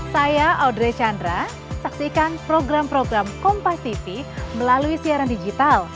saya audrey chandra saksikan program program kompati melalui siaran digital